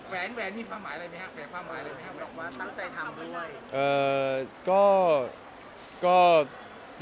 แหวนเป็นความหมายอะไรดินี้ฮะ